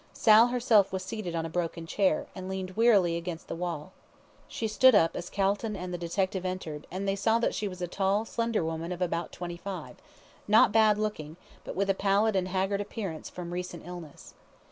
Sal herself was seated on a broken chair, and leaned wearily against the wall. She stood up as Calton and the detective entered, and they saw that she was a tall, slender woman of about twenty five, not bad looking, but with a pallid and haggard appearance from recent illness.